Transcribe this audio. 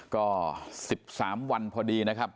ก็๑๓วันพอดีนะครับ